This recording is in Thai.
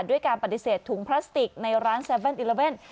ด้วยการปฏิเสธถุงพลาสติกในร้าน๗๑๑